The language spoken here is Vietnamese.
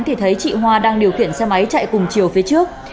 thì thấy chị hoa đang điều khiển xe máy chạy cùng chiều phía trước